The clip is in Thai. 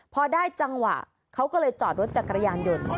พอได้จังหวะเขาก็เลยจอดรถจักรยานยนต์